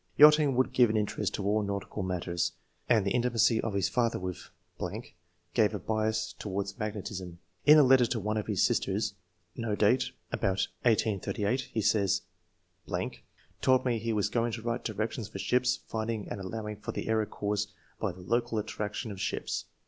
] "Yachting would give an interest to all nautical matters, and the intimacy of his father with .... gave a bias towards magnetism. In a letter to one of his sisters (no date, ? about 1838), he says :—'.... told me he was going to write directions for ships, finding and allowing for the error caused by the local attraction of ships.